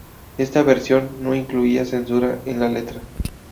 Esta versión no incluía censura en la letra.